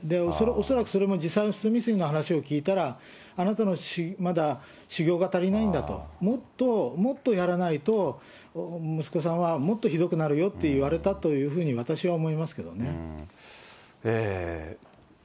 恐らくそれも、自殺未遂の話聞いたら、あなたの修行が足りないんだと、もっともっとやらないと、息子さんはもっとひどくなるよと言われたというふうに、私は思いますけどね。